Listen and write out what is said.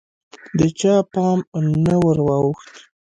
د چا پام نه وراوښت